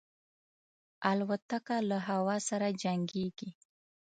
الوتکه له هوا سره جنګيږي.